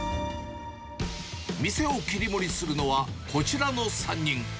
店を切り盛りするのは、こちらの３人。